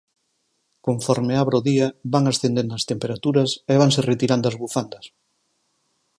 Conforme abre o día van ascendendo as temperaturas e vanse retirando as bufandas.